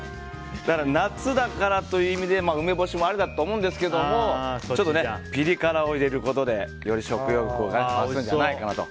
夏だからという意味で梅干しもありだとは思いますがちょっとピリ辛を入れることでより食欲が増すんじゃないかと。